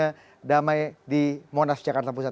kampanye damai di monas jakarta pusat